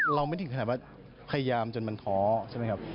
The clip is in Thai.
ไม่ถึงขนาดว่าพยายามจนมันท้อใช่ไหมครับ